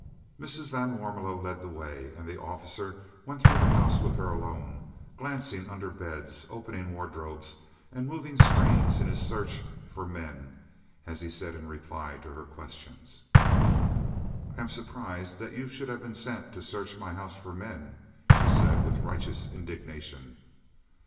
Mrs. van Warmelo led the way, and the officer went through the house with her alone, glancing under beds, opening wardrobes and moving screens in his search "for men," as he said in reply to her questions. "I am surprised that you should have been sent to search my house for men," she said, with righteous indignation.